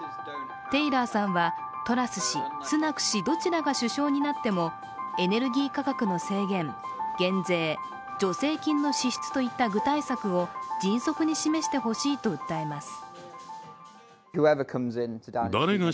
テイラーさんはトラス氏、スナク氏どちらが首相になってもエネルギー価格の制限、減税、助成金の支出といった具体策を迅速に示してほしいと訴えます。